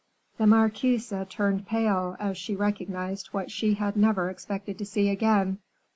The marquise turned pale, as she recognized what she had never expected to see again.